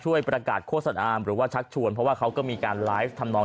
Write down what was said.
ประกาศโฆษณามหรือว่าชักชวนเพราะว่าเขาก็มีการไลฟ์ทำนอง